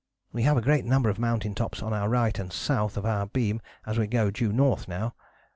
We have a great number of mountain tops on our right and south of our beam as we go due north now.